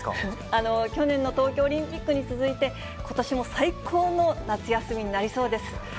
去年の東京オリンピックに続いて、ことしも最高の夏休みになりそうです。